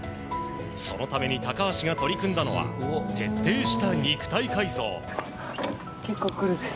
そのために高橋が取り組んだのは徹底した肉体改造。